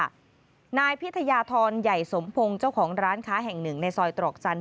นายพิทยาธรใหญ่สมพงศ์เจ้าของร้านค้าแห่งหนึ่งในซอยตรอกจันท